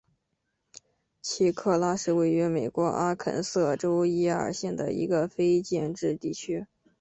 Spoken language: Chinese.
奇克拉是位于美国阿肯色州耶尔县的一个非建制地区。